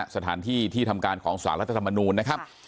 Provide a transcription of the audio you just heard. สถานที่ที่ทำการของสหรัฐธรรมนูน